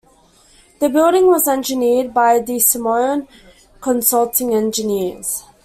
The building was engineered by DeSimone Consulting Engineers.